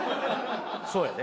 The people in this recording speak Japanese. そうやで。